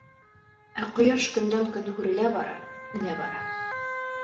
Ә ҡояш көндән-көн һүрелә бара, һүнә бара.